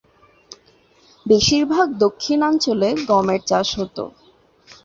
বেশিরভাগ দক্ষিণাঞ্চলে গমের চাষ হত।